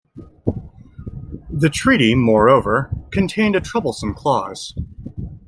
The treaty, moreover, contained a troublesome clause.